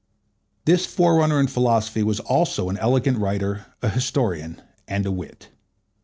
This forerunner in philosophy was also an elegant writers, an historian, and a wit.